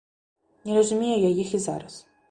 Не разумею я іх і зараз.